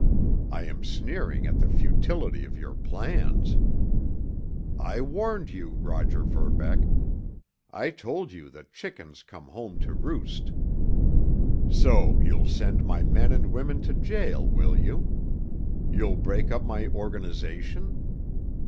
"I am sneering at the futility of your plans. I warned you, Roger Verbeck. I told you that chickens come home to roost. So you'll send my men and women to jail, will you? You'll break up my organization?